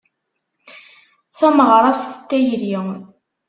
Tameɣrast n tayri.